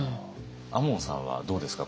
亞門さんはどうですか？